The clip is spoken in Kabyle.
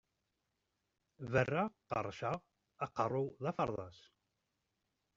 Berraɣ qerrceɣ, aqerru-w d aferḍas!